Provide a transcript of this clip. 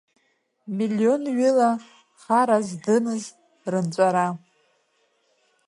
Миллионҩыла хара здымыз рынҵәара.